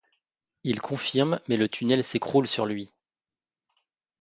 Il confirme mais le tunnel s'écroule sur lui.